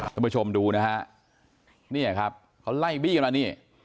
ท่านผู้ชมดูนะฮะเนี่ยครับเขาไล่บี้กันมานี่